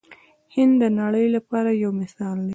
هند د نړۍ لپاره یو مثال دی.